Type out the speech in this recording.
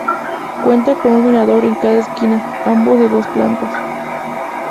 Cuenta con un mirador en cada esquina, ambos de dos plantas.